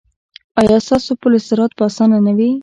ایا ستاسو پل صراط به اسانه نه وي؟